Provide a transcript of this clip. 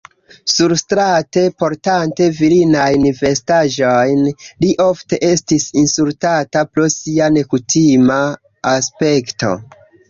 Surstrate, portante virinajn vestaĵojn, li ofte estis insultata pro sia nekutima aspekto.